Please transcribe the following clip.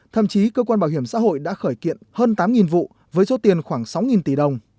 thậm chí cơ quan bảo hiểm xã hội đã khởi kiện hơn tám vụ với số tiền khoảng sáu tỷ đồng